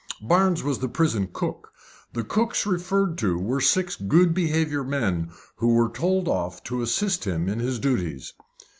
Barnes was the prison cook. The cooks referred to were six good behaviour men who were told off to assist him in his duties.